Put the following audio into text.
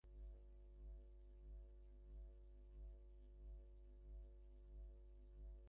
তিনি একটা বাড়িতে তৈরি সাইড মাউন্ট রিব্রিদার ব্যবহার করেন।